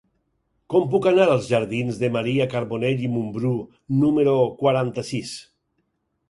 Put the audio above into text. Com puc anar als jardins de Maria Carbonell i Mumbrú número quaranta-sis?